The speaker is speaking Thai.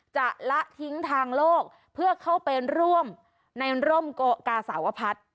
ละทิ้งทางโลกเพื่อเข้าไปร่วมในร่มโกกาสาวพัฒน์